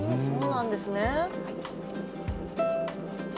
そうなんですね。